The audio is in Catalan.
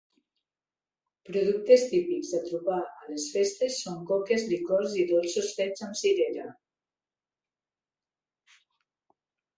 Productes típics a trobar a les festes són coques, licors i dolços fets amb cirera.